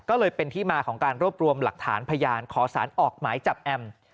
ก็เลยเป็นที่มาของการรวบรวมหลักฐานพยานขอสารออกหมายจับแอม